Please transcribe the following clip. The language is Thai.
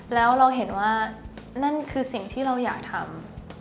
แล้วเราเห็นว่านั่นคือสิ่งที่เราอยากทำ